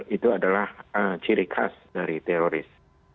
itu adalah ciri khas dari teroris